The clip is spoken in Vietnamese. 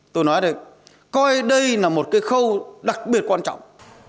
tôi nói đây coi đây là một cái khâu đặc biệt quan trọng